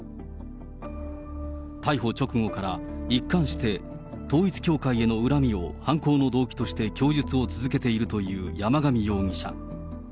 逮捕直後から、一貫して統一教会への恨みを犯行の動機として供述を続けているという山上容疑者。